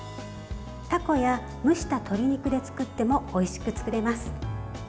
たこや、蒸した鶏肉で作ってもおいしく作れます。